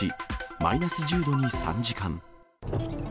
マイナス１０度に３時間。